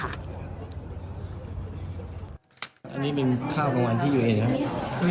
อันนี้เป็นข้าวกางวัลที่ยูเอนะ